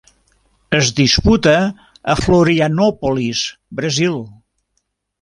Es disputa a Florianópolis, Brasil.